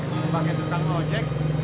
sebagai dutang ngojek